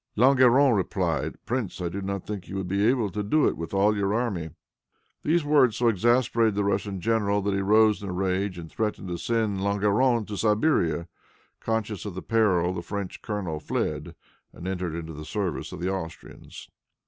Langeron replied, "Prince, I do not think you would be able to do it with all your army!" These words so exasperated the Russian general that he rose in a rage, and threatened to send Langeron to Siberia. Conscious of his peril the French colonel fled, and entered into the service of the Austrians.